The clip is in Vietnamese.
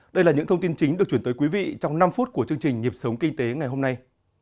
đây là những thông tin chính được chuyển tới quý vị trong năm phút của chương trình nhịp sống kinh tế ngày hôm nay